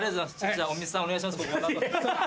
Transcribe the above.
じゃあ隠密さんお願いします。